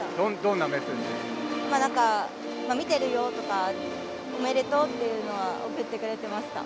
「見てるよ」とか「おめでとう」っていうのは送ってくれてました。